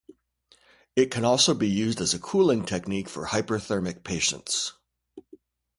It can also be used as a cooling technique for hyperthermic patients.